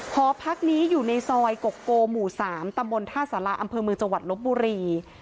หอพักนี้อยู่ในซอยกกโกหมู่๓ตำบลท่าสาราอำเภอเมืองจังหวัดลบบุรี